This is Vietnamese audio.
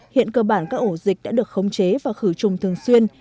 hiện cơ bản các ổ dịch đã được khống chế và khử trùng thường xuyên